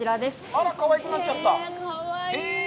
あら、かわいくなっちゃった！